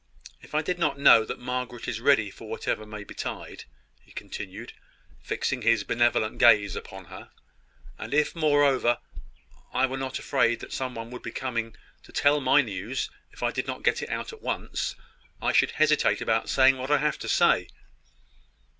If I did not know that Margaret is ready for whatever may betide," he continued, fixing his benevolent gaze upon her, "and if, moreover, I were not afraid that some one would be coming to tell my news if I do not get it out at once, I should hesitate about saying what I have to say."